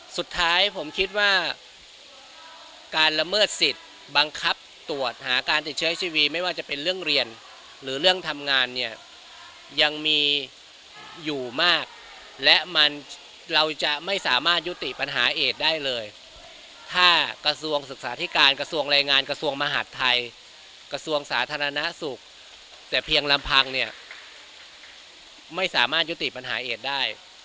สุดท้ายผมคิดว่าการละเมิดสิทธิ์บังคับตรวจหาการติดเชื้อทีวีไม่ว่าจะเป็นเรื่องเรียนหรือเรื่องทำงานเนี่ยยังมีอยู่มากและมันเราจะไม่สามารถยุติปัญหาเอดได้เลยถ้ากระทรวงศึกษาธิการกระทรวงแรงงานกระทรวงมหาดไทยกระทรวงสาธารณสุขแต่เพียงลำพังเนี่ยไม่สามารถยุติปัญหาเอดได้